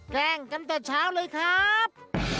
แกล้งกันแต่เช้าเลยครับ